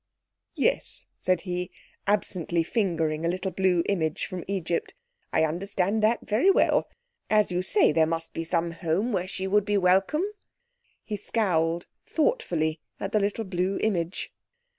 "Yes," said he, absently fingering a little blue image from Egypt. "I understand that very well. As you say, there must be some home where she would be welcome." He scowled thoughtfully at the little blue image.